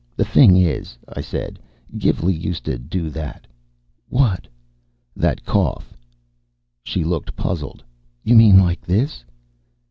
"The thing is," I said, "Gilvey used to do that." "What?" "That cough." She looked puzzled. "You mean like this?"